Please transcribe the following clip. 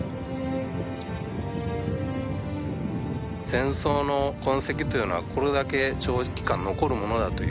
戦争の痕跡というのはこれだけ長期間残るものだという。